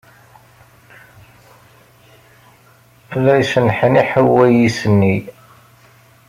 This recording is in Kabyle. La yesneḥniḥ wayis-nni.